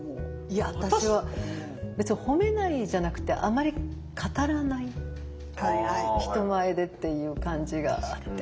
いや私は別に褒めないじゃなくてあまり語らない人前でっていう感じがあって。